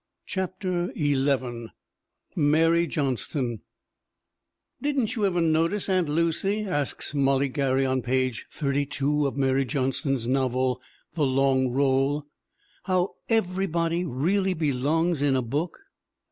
CHAPTER XI MARY JOHNSTON DIDN'T you ever notice, Aunt Lucy," asks Molly Gary on page 32 of Mary John ston's novel, The Long Roll, "how every body really belongs in a book?"